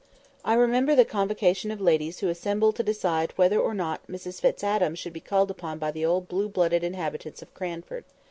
I remember the convocation of ladies who assembled to decide whether or not Mrs Fitz Adam should be called upon by the old blue blooded inhabitants of Cranford.